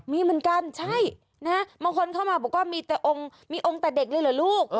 มีเหมือนกันใช่นะบางคนเข้ามาบอกว่ามีแต่องค์มีองค์แต่เด็กเลยเหรอลูก